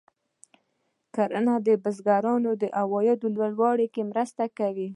کرنه د بزګرانو د عاید لوړولو کې مرسته کوي.